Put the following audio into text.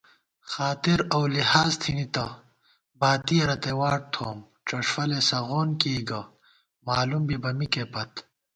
خاطر اؤ لحاظ تِھنی تہ باتِیَہ رتئ واٹ تھووُم * ڄلفَلے سغون کېئی گہ مالُوم بِبہ مِکے پت